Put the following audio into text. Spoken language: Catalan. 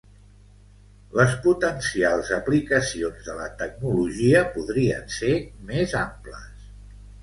Les potencials aplicacions de la tecnologia podrien ser més amples.